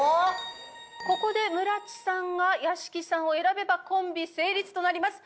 ここでむらっちさんが屋敷さんを選べばコンビ成立となります。